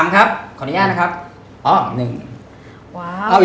ครับขออนุญาตนะครับ